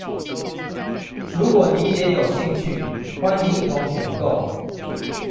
如果你也有興趣，歡迎一同選購。